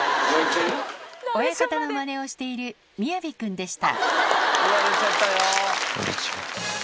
親方のまねをしている雅くんでした。